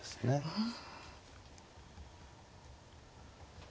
うん。